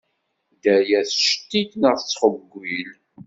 Dderrya tettcettit, neɣ tettxewwil.